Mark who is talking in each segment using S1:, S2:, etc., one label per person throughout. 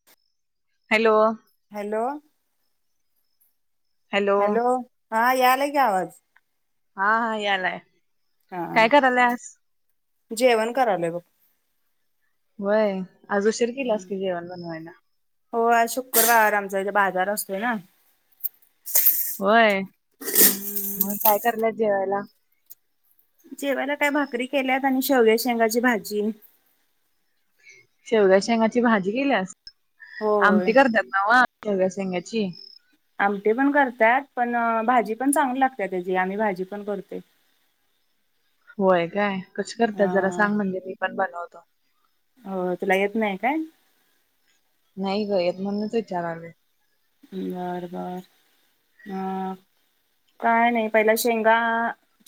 S1: [inaudible]
S2: Hello
S1: hello hello हा यायला का आवाज
S2: हा, हा यायलाय
S1: हा जेवण करायलो बघ
S2: वय आज उशीर केल्यास की जेवण बनवायला
S1: हो आज शुक्रबार आमचा इथे बाजार असतोय ना
S2: होय म काय कराल्यास जेवायला
S1: जेवायला काय भाकरी केल्यात आणि शेवग्याच्या शेंगाची भाजी
S2: शेवग्या शेंगाची भाजी केल्यास
S1: होय
S2: आमटी करत्यात नवा शेवग्याच्या शेंगाची
S1: आमटी पण करत्यात पण भाजी पण चांगली लागत्या त्याची आम्ही भाजी पण करतोय
S2: होय काय कशी करत्यात
S1: हा
S2: जरा सांग म्हणजे मी पण बनवतो
S1: हो तुला येत नाही काय
S2: नाही ग येत म्हणच विचाराले
S1: बर, बर अ काय नाही पहिला शेंगा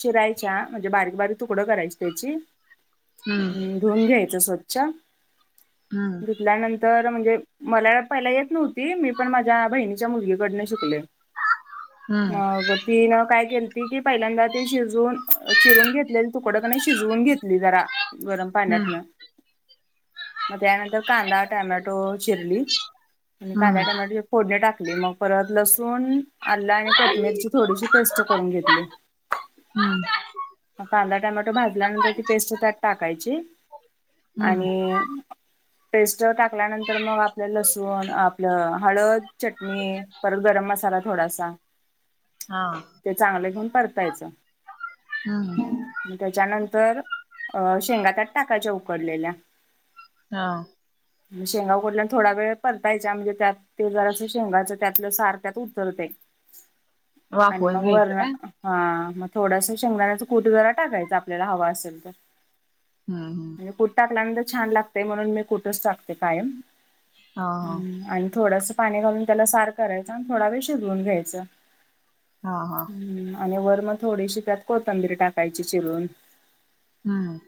S1: चिरायच्या म्हणजे बारीक बारीक तुकड करायची त्याची हम्म धुऊन घ्यायचं स्वच्छ
S2: हम्म
S1: धुतल्यानंतर तर म्हणजे मला पहिला येत नव्हती मी पण माझ्या बहिणीच्या मुलगी कडन शिकलोय
S2: हम्म
S1: मग तीनं काय केल त की पहिल्यांदा ते शिजवून, चिरून घेतलेले तुकडंक नाही शिजवून घेतली जरा गरम
S2: हम्म
S1: पाण्यात न मग त्यानंतर कांदा टमॅटो चिरली आणि
S2: हम्म
S1: कांदा टॅमॅटो फोडणी टाकली मग परत लसूण आलं आणि कोथमीरची थोडीशी पेस्ट करून घेतली
S2: हम्
S1: मग कांदा टमॅटो भाजल्यानंतर ती पेस्ट त्यात टाकायची
S2: हम्म
S1: आणि पेस्ट टाकल्यानंतर मग आपलं लसूण आपलं हळद चटणी परत गरम मसाला थोडासा
S2: हा
S1: ते चांगलं घेऊन परतायचं
S2: हम्म
S1: त्याच्यानंतर अ शेंगात्यात टाकायच्या उकडलेल्या
S2: हा
S1: शेंगा उकडल्यानंतर थोडा वेळ परतायच्या म्हणजे त्यात ते जरा शेंगाच त्यातलं सार त्यात उतरत आणि
S2: वाफवून
S1: मग
S2: घ्यायचं
S1: वरन
S2: काय
S1: हा मग थोडस शेंगदाण्याचा कूट जरा टाकायच आपल्याला हवा असेल तर
S2: हम्, हम
S1: म्हणजे कुठ टाकल्यानंतर छान लागते म्हणून मी कुठच टाकते कायम
S2: हा
S1: हम आणि थोडंस पाणी घालून त्याला सार करायचं आणि थोडा वेळ शिजवून घ्यायचं
S2: हा, हा
S1: ह् आणि वर मग थोडीशी त्यात कोथंबीरी टाकायची चिरून
S2: हम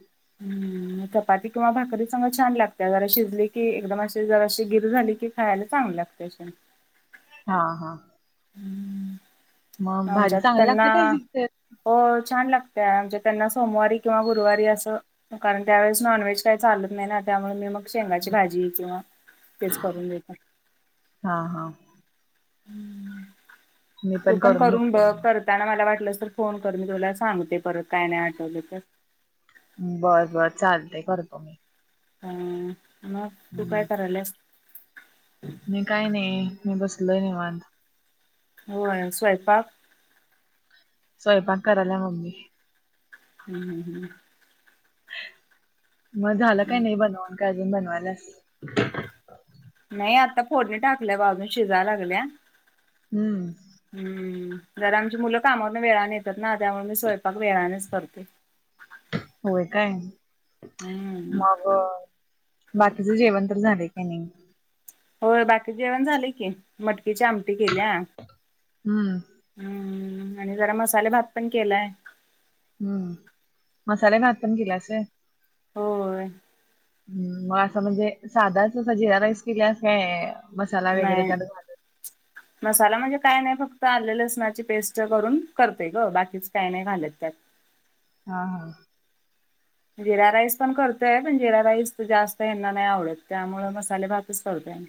S1: हम् चपाती किंवा भाकरी संग छान लागते जरा शिजली की एकदम असे जराशी गिर झाली की खायला चांगली लागत्या तेशन
S2: हा, हा
S1: हम्म
S2: मग भाजी
S1: आमच्यात
S2: चांगली लागते
S1: त्यांना
S2: त्याजी
S1: हो छान लागतेय म्हणजे त्यांना सोमवारी किंवा गुरुवारी असं कारण त्यावेळेस नॉनव्हेज काही चालत नाही ना त्यामुळे मी मग शेंगाची भाजी किंवा तेच करून देत
S2: हा, हा
S1: तू पण करून बघ करताना मला वाटलस तर फोन कर मी तुला सांगते परत काय नाही आठवलं तर
S2: बर, बर चालतय करतो मी
S1: ह मग तू काय
S2: हम्म
S1: करायलास?
S2: मी काय नाही मी बसलोय निवांत
S1: होय स्वयंपाक
S2: स्वयंपाक करायला मम्मी
S1: हम्, हम्, हम्
S2: मग झालं काय नाही बनवून काय अजून बनवायल्यास
S1: नाही आता फोडणी टाकल्या बघ अजून शिजायला लागल्या
S2: हम्म
S1: हम्म जर आमची मुलं कामाातून वेळाने येतात ना त्यामुळे मी स्वयंपाक वेळानेच करत ते
S2: होय काय
S1: हम्म
S2: मग बाकीचे जेवण तर झाले का नाही
S1: होय बाकी जेवण झाले की मटकीच्या आमटी केल्या
S2: हम्म
S1: हम्म आणि जरा मसाले भात पण केलाय
S2: हम्म मसाले भात पण केलीयास होय
S1: होय
S2: हम् मग असं म्हणजे साधाच असा जिरा राईस केल्यास काय मसाला वगैरे
S1: नाही
S2: त्यात [inaudible]
S1: मसाला म्हणजे काय नाही फक्त आल, लसणाची पेस्ट करून करतेय ग बाकीच काय नाही घालेत त्यात
S2: हा, हा
S1: जिरा राईस पण करतोय पण जिरा राईस तर जास्त ह्याना नाही आवडत त्यामुळे मसाले भातच करतोय आम्ही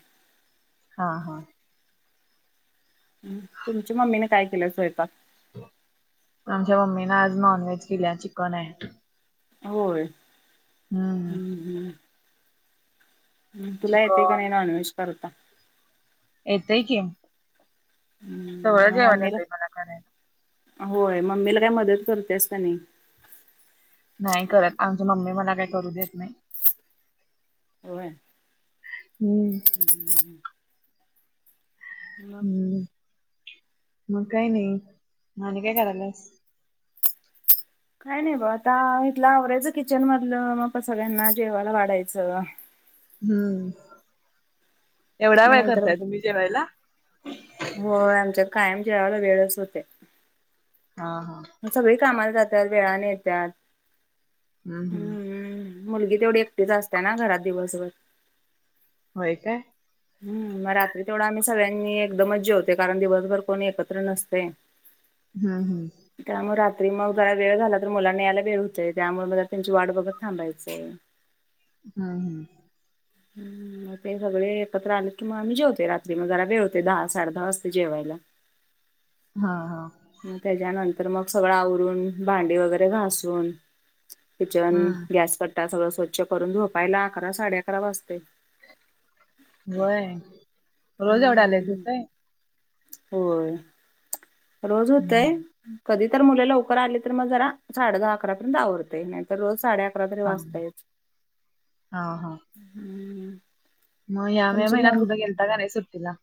S2: हा, हा
S1: तुमच्या मम्मीने काय केलीय स्वयंपाक
S2: आमच्या मम्मीन आज नॉनव्हेज केल्या चिकन आहे
S1: होय
S2: हम्म.
S1: हम्, हम्म तुला येते का
S2: चिकन
S1: नाही नॉनव्हेज करता
S2: येतय की सगळं
S1: हम्म
S2: जेवण
S1: मम्मीला
S2: येतय मला करायला.
S1: होय मम्मीला काय मदत करत्यास का नाही
S2: नाही करत आमची मम्मी मला काही करू देत नाही
S1: होय
S2: हम्म
S1: [inaudible] मग
S2: हम्म मग काही नाही आणि काय करायलास
S1: काय नाही ब आता इथलं आवरायचं किचन मधलं मग सगळ्यांना जेवायला वाढायचं
S2: हम्म एवढा वेळ करताय तुम्ही जेवायला
S1: हो आमच्या कायम जेवाला वेळच होतय
S2: हा, हा
S1: सगळी कामाला जातात वेळाने येत्यात हम्म मुलगी तेवढी एकटीच असते ना घरात दिवसभर
S2: होय काय
S1: हम् मग रात्री तेवढा आम्ही सगळ्यांनी एकदमच जेवतोय कारण दिवसभर कोणी एकत्र नसतोय
S2: हम्, हम्म
S1: त्यामुळे रात्री मग जरा वेळ झाला तर मुलांना यायला वेळ होतय त्यामुळे मग त्यांची वाट बघत थांबायचंय
S2: हम्म, हम्म
S1: [inaudible] ते सगळे एकत्र आले कि मग आम्ही जेवतोय रात्री मग जरा वेळ होतोय दहा, साडे दहा वाजते जेवायला
S2: हा ह
S1: मग त्याच्यानंतर मग सगळं आवरून भांडी वगैरे घासून किचन
S2: हम्म
S1: गॅस कट्टा सगळं स्वच्छ करून झोपायला अकरा साडे अकरा वाजतय
S2: होय रोज एवढा होतोय
S1: होय रोज होतय कधी तर मुले लवकर आली तर मग जरा साडे दहा अकरापर्यंत आवरतेय नाही रोज साडे अकरा तरी
S2: हा
S1: वाजातयच
S2: हा हा मग ह्या मे महिन्यात कुठे गेलता का नाही सुट्टीला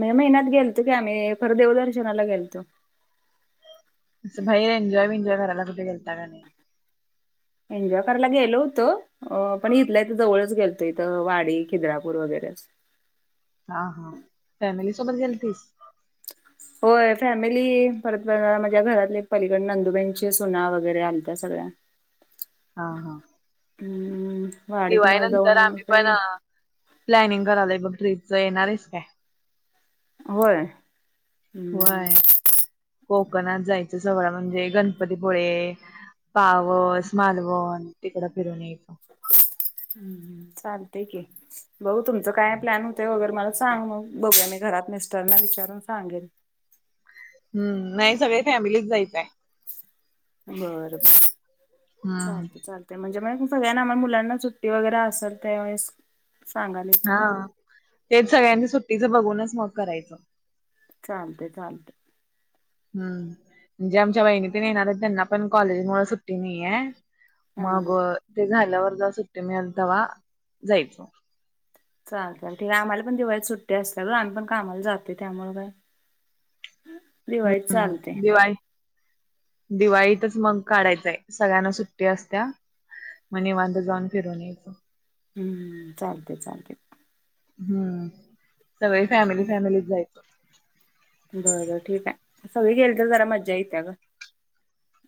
S1: मे महिन्यात गेल तो की आम्ही खर देवदर्शनाला गेलतो
S2: असं बाहर एन्जॉय बीनजॉय करायला कुठं गेलता का नाही
S1: एन्जॉय करायला गेलो होतो अ पण इथल्या इथ जवळच गेलतो इथं वाडी खिद्रापूर वगैरे असं
S2: हा, हा फॅमिली सोबत गेलतीस
S1: होय फॅमिली परत माझ्या घरातले पलीकड नंदुबेनची सुना वगैरे आलत सगळ्या
S2: हा, हा
S1: हम्म वाडीत
S2: दिवाळी
S1: मग जाऊन
S2: नंतर आम्ही
S1: असं
S2: पण
S1: की
S2: प्लॅनिंग करावय बघ ट्रीपच येणार आहेस काय
S1: होय हम्म.
S2: होय कोकणात जायचं सगळं म्हणजे गणपतीपुळे पावस, मालवण तिकड फिरून येतो
S1: हम्म चालतय की बघ तुमचं काय प्लॅन होते वगैरे मला सांग मग बघूया मी घरात मिस्टरना विचारून सांगेन
S2: हम् नाही सगळे फॅमिलीच जायचंय
S1: बर, बर
S2: हम्म
S1: चालतय, चालतय ते म्हणजे मग सगळ्यांना मुलांना सुट्टी वगैरे असेल त्यावेळेस सांगाले
S2: हा तेच सगळ्यांनी सुट्टीचं बघूनच मग करायचं
S1: चालतय, चालतय
S2: हम् म्हणजे आमच्या वहिनी तेन येणार त्यांना पण कॉलेज मुळ सुट्टी नाहीया
S1: हा
S2: मग ते झाल्यावर जरा सुट्टी मिळेल तेव्हा जायच
S1: चालतय ठीक आहे आम्हाला पण दिवाळीत सुट्टी असल्या तर आम्हीण कामाला जाते त्यामुळे काय दिवाळीत चालते
S2: हम्म दिवाळी दिवाळीतच मग काढायचय सगळ्यांना सुट्टी असत्या म निवांत जाऊन फिरवून यायचं
S1: चालतय, चालतय
S2: हम्म सगळे फॅमिली, फॅमिली जाय
S1: बरं ठीक आहे सगळे गेले तर जरा मज्जा येत्या ग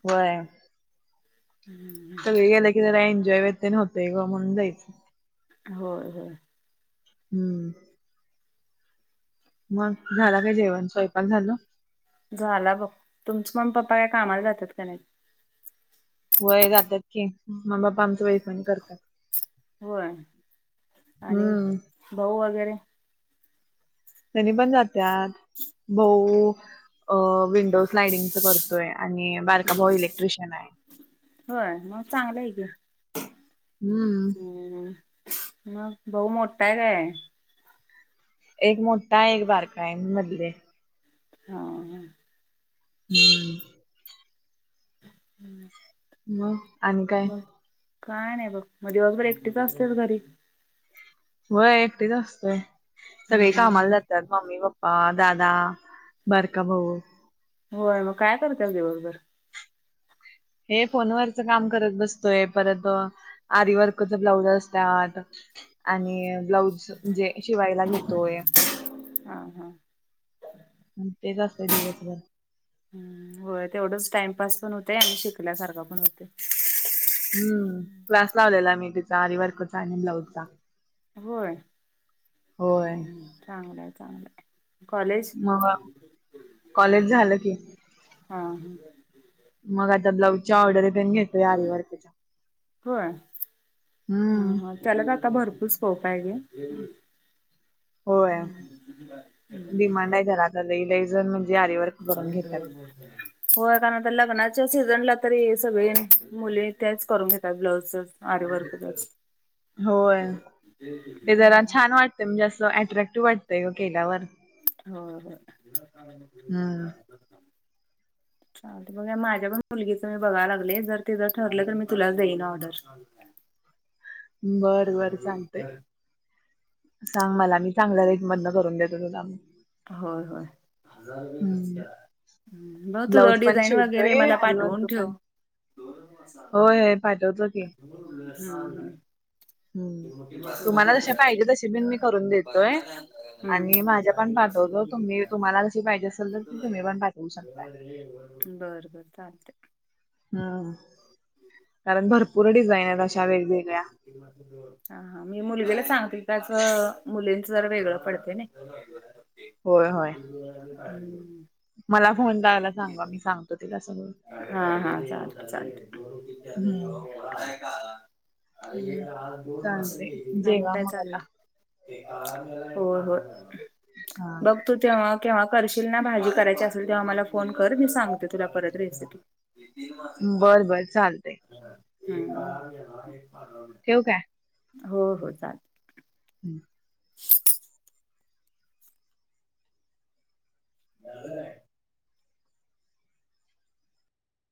S2: व्हयं.
S1: [inaudible]
S2: सगळे गेलं की जरा एन्जॉय व्यते न होते ग म्हणून जायचं.
S1: होय हो
S2: हम्म. मग झाला काय, जेवण स्वयंपाक झालं.
S1: झाला बघ तुमच मग पप्पा काय कामाला जातात काय
S2: वय जातात की मम्मी पप्पा आमचं वैफणी करत्यात
S1: होय आणि
S2: हम्म
S1: भाऊ वगैरे
S2: त्यांनी पण जात्यात भाऊ विंडो स्लाइडिंगच करतोय आणि बारका
S1: हम्म.
S2: भाऊ इलेक्ट्रिशियन आहे
S1: होय मग चांगलं आहे की
S2: हम्म
S1: हम्म, मग भाऊ मोठा आहे काय?
S2: एक मोठा एक बारकाय मी मधलीय
S1: हा
S2: [inaudible]
S1: [inaudible]
S2: मग आणि काय
S1: म काय नाही बघ मग दिवसभर एकटीच असते घरी
S2: होय एकटीच असतय सगळी
S1: हम्म
S2: कामाला जातात मम्मी पप्पा आ दादा बारका भाऊ
S1: होय मग काय करत्या दिवसभर
S2: हे फोनवरच काम करत बसतोय परत आरी वर्कच ब्लाउज असत्यात आणि ब्लाऊज म्हणजे शिवायला घेतोय
S1: हा हा..
S2: तेच असतय दिवसभर
S1: होय तेवढंच टाइमपास पण होतय आणि शिकल्यासारखा पण होतय
S2: हम्म, क्लास लावलेला मी, तिचा अरीवर्कचा आणि ब्लाऊजचा.
S1: होय
S2: होय
S1: चांगलं आहे चांगलंय
S2: मग कॉलेज झालं की
S1: हा हा
S2: मग आता ब्लाउज ऑर्डर तेन घेत वारी वर्तेच्या हम्म
S1: त्यालाच आता भरपूर स्कोप आहे ग
S2: होय
S1: हम्म हम्.
S2: डिमांड आहे घरात [unintelligible]
S1: [unintelligible] होय का ना तर लग्नाच्या सीझनला तरी सगळे मुली तेच करून घेतात ब्लाऊज आरी वर्कच
S2: [inaudible] होय ते जरा छान वाटत म्हणजे असं अट्रॅक्टिव्ह वाटतय ग केल्यावर
S1: हो
S2: हम्म. [inaudible]
S1: ते बघू या माझ्या पण मुलगीचा मी बघायला लागले जर तिज्या ठरले तर मी तुलाच देईन ऑर्डर.
S2: बरं बरं सांगते. सांग मला मी चांगला रेटमधन करून देतो तुला.
S1: होय होय.
S2: हम्म
S1: बघ
S2: ब्लाऊज
S1: तुलं
S2: पण
S1: डिझाईन वगैरे
S2: शिवतोय
S1: मला
S2: आरीवर्क
S1: पाठवून
S2: पण
S1: ठेव.
S2: होय पाठवतो की.
S1: हम्म हम्म.
S2: हम्म तुम्हाला जशे पाहिजे तशे बिन मी करून देतोय.
S1: हम्म
S2: आणि माझ्या पण पाठवतो तुम्ही तुम्हाला कशी पाहिजे असेल तर ती तुम्ही पण पाठवू शक
S1: बर चालते.
S2: हम्म कारण भरपूर डिझाईन आहेत अशा वेगवेगळ्या.
S1: हा हा मी मुलगीला सांगतील त्याचा मुलींचा जरा वेगळं पडते ना.
S2: होय होय.
S1: [unintelligible] आलेत. [unintelligible]
S2: मला फोन लायला सांगा मी सांगतो तिला सगळं.
S1: हा हा चालत चालत.
S2: हम्म.
S1: हम्म
S2: चालतय
S1: आणि
S2: जेवा
S1: काय
S2: मग आता.
S1: चाललय? होय होय
S2: हा.
S1: बघ तू तेव्हा केव्हा करशील ना भाजी करायची असेल तेव्हा मला फोन कर मी सांगते तुला परत रेसिपी.
S2: बरं बरं चालतय ठेवू का?
S1: हो हो चाल.
S2: हम्म.
S1: [unintelligible] जागा आहे.